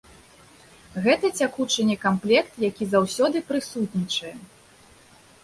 Гэта цякучы некамплект, які заўсёды прысутнічае.